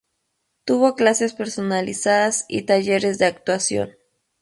Tuvo clases personalizadas y talleres de actuación.